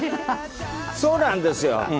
そうなんですよ。